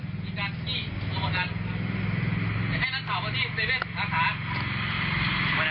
จะให้นักข่าวว่าที่๗นะคะ